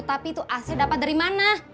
tapi tuh ac dapet dari mana